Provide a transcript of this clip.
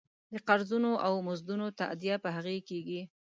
د قرضونو او مزدونو تادیه په هغې کېږي.